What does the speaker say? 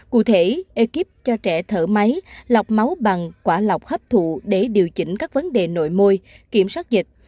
cụ thể ekip cho trẻ thở máy lọc máu bằng quả lọc hấp thụ để điều chỉnh các vấn đề nội môi kiểm soát dịch